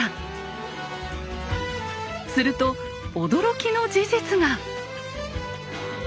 すると驚きの事実が！